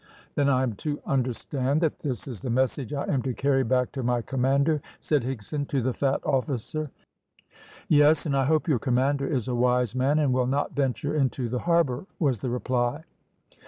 "Then I am to understand that this is the message I am to carry back to my commander," said Higson, to the fat officer. "Yes, and I hope your commander is a wise man, and will not venture into the harbour," was the reply.